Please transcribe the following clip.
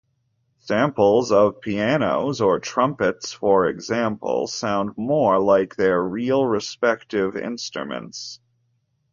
Samples of pianos or trumpets, for example, sound more like their real respective instruments.